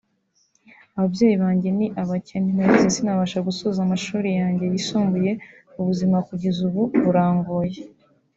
Ababyeyi banjye ni abakene narize sinabasha gusoza amashuli yanjye yisumbuye ubuzima kugeza ubu burangoye